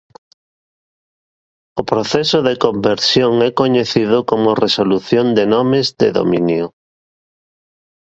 O proceso de conversión é coñecido como resolución de nomes de dominio.